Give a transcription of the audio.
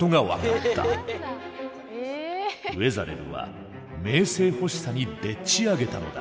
ウェザレルは名声欲しさにでっちあげたのだ。